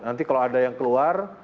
nanti kalau ada yang keluar